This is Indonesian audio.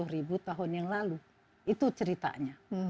enam puluh ribu tahun yang lalu itu ceritanya